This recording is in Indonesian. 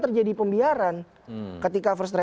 terjadi pembiaran ketika first trave